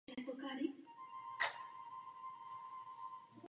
Režie a scénáře se ujali Jon Lucas a Scott Moore.